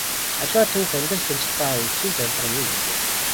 Аливаа түүх амьдрал тэмцэл ба үхлийн зорилго юу юм бэ?